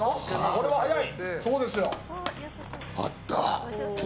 これは早い。